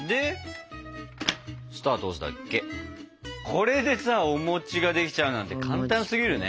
これでさお餅ができちゃうなんて簡単すぎるね。